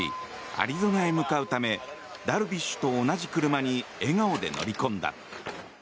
アリゾナへ向かうためダルビッシュと同じ車に笑顔で乗り込んだ。